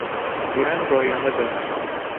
من رایانه دارم.